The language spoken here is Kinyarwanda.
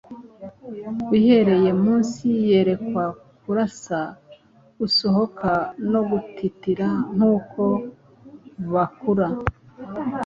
Uhereye munsi yerekwa Kurasa gusohoka no gutitira Nkuko bakura.